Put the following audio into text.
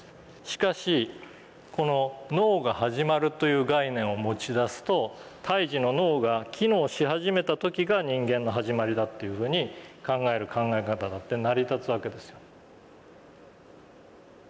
しかしこの「脳が始まる」という概念を持ちだすと胎児の脳が機能し始めた時が人間の始まりだっていうふうに考える考え方だって成り立つわけですよ。